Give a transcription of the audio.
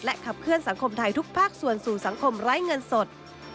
ขับเคลื่อนสังคมไทยทุกภาคส่วนสู่สังคมไร้เงินสด